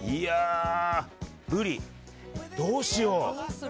ブリ、どうしよう。